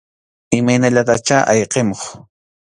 Imaynallatachá ayqikamuq.